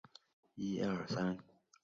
西恩是民主党人。